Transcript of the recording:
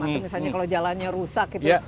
atau misalnya kalau jalannya rusak gitu